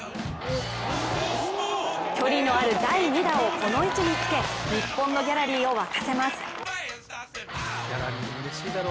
距離のある第２打をこの位置につけ日本のギャラリーを沸かせます。